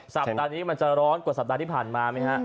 สัปดาห์นี้มันจะร้อนกว่าสัปดาห์ที่ผ่านมาไหมฮะ